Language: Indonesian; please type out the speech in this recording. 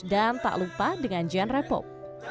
dan tak lupa dengan genre pop